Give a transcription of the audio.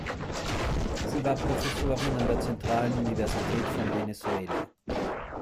Sie war Professorin an der Zentralen Universität von Venezuela.